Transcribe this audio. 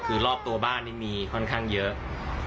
คือรอบตัวบ้านนี่มีค่อนข้างเยอะ